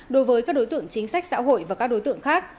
đối với các đối tượng chính sách xã hội và các đối tượng khác